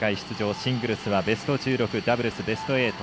シングルスはベスト１６ダブルス、ベスト８。